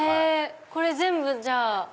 これ全部じゃあ。